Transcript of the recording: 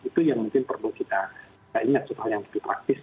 itu yang mungkin perlu kita ingat supaya lebih praktis